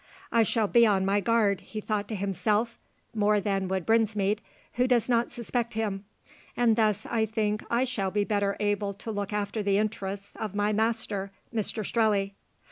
"I should be on my guard," he thought to himself, "more than would Brinsmead, who does not suspect him, and thus I think I shall better be able to look after the interests of my master Mr Strelley."